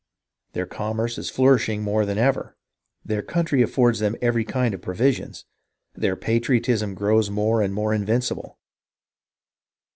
Their commerce is flourishing more than ever, their country affords them every kind of provisions, their patriotism grows more and more invincible.